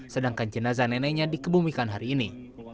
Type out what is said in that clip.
sedangkan jenazah neneknya dikebumikan hari ini